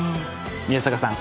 宮坂さん